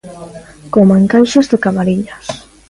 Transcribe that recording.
Coma encaixes de Camariñas.